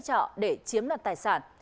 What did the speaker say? giấy trọ để chiếm đặt tài sản